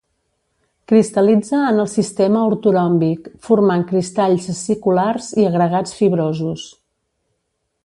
Cristal·litza en el sistema ortoròmbic, formant cristalls aciculars i agregats fibrosos.